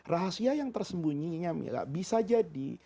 rahasia yang tersembunyinya mila bisa jadi